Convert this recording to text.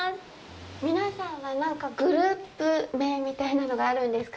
皆さんは、何かグループ名みたいなのがあるんですか？